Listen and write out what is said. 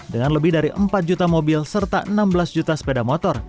dengan lebih dari empat juta mobil serta enam belas juta sepeda motor